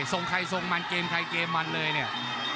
ส่งไข่ส่งมันเกมไข่เกมมันเลยเนี่ย